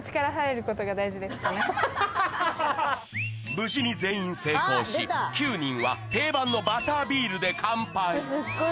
無事に全員成功し９人は定番のバタービールで乾杯うまい！